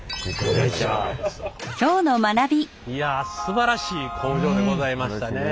いやすばらしい工場でございましたね。